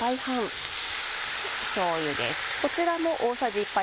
しょうゆです。